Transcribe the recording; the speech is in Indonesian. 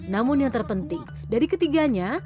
namun yang terpenting dari ketiganya